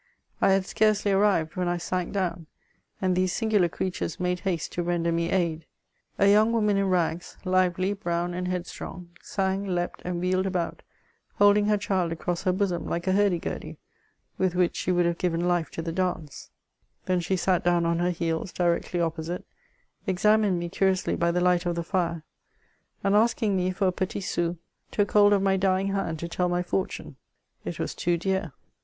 I had scarcely arrived, when I sank down, and these singular creatures made haste to render me aid. A young woman in rags, lively, brown, and headstrong, sang, leaped, and wheeled about, holding her child across her bosom, like a hurdy gurdy, with which she would have given life to the dance ; then she sat down on her heels directly opposite, examined me curiously by the light of the fire, and asking me for a petit sou, took hold of my dying hand to tell my fortune ; it was too dear.